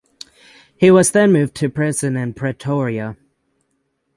He was then moved to prison in Pretoria.